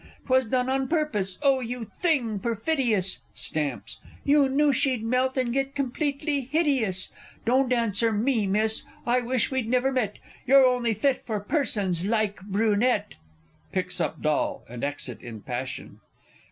'Twas done on purpose oh, you thing perfidious! [Stamps. You knew she'd melt, and get completely hideous! Don't answer me, Miss I wish we'd never met. You're only fit for persons like Brunette! [_Picks up doll, and exit in passion.